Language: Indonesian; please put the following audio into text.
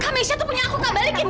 kak misha tuh punya aku kak balikin